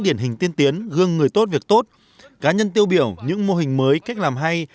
điển hình tiên tiến gương người tốt việc tốt cá nhân tiêu biểu những mô hình mới cách làm hay